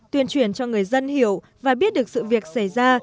tuyên truyền cho người dân hiểu và biết được sự việc xảy ra